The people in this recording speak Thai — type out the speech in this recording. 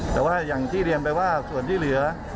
แต่ว่าอย่างที่เรียนไปว่าส่วนที่เหลือ